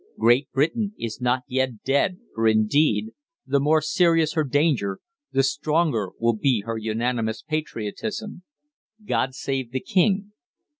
Great Britain is not yet dead, for indeed, the more serious her danger, the stronger will be her unanimous patriotism. =GOD SAVE THE KING.